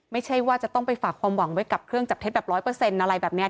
ไม่ใช่ว่าจะต้องไปฝากความหวังไว้กับเครื่องจับเท็จแบบร้อยเปอร์เซ็นต์อะไรแบบนี้